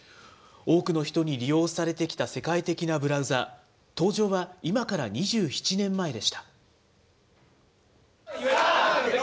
多くの人に利用されてきた世界的なブラウザー、登場は今から２７年前でした。